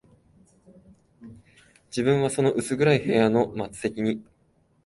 自分はその薄暗い部屋の末席に、